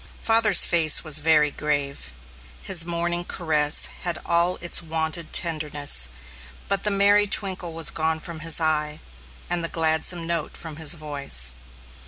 Father's face was very grave. His morning caress had all its wonted tenderness, but the merry twinkle was gone from his eye, and the gladsome note from his voice.